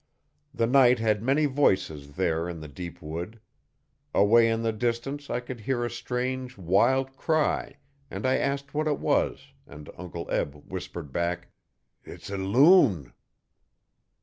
The night had many voices there in the deep wood. Away in the distance I could hear a strange, wild cry, and I asked what it was and Uncle Eb whispered back, ''s a loon.'